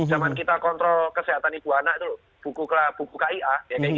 zaman kita kontrol kesehatan ibu anak itu buku kia